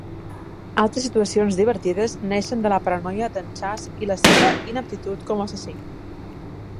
Altres situacions divertides neixen de la paranoia d'en Chaz i la seva ineptitud com a assassí.